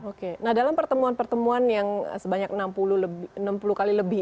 oke nah dalam pertemuan pertemuan yang sebanyak enam puluh kali lebih